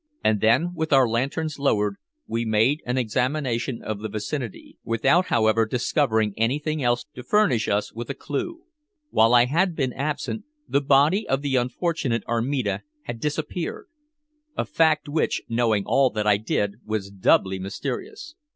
And then, with our lanterns lowered, we made an examination of the vicinity, without, however, discovering anything else to furnish us with a clew. While I had been absent the body of the unfortunate Armida had disappeared a fact which, knowing all that I did, was doubly mysterious.